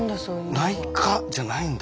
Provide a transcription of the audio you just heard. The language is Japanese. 内科じゃないんだ。